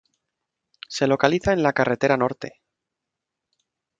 Se localiza en la Carretera Norte.